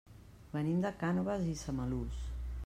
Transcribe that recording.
Venim de Cànoves i Samalús.